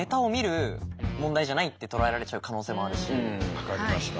分かりました。